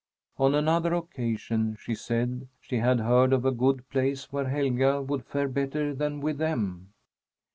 On another occasion she said she had heard of a good place where Helga would fare better than with them.